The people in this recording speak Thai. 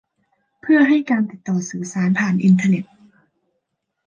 เพื่อให้การติดต่อสื่อสารผ่านอินเทอร์เน็ต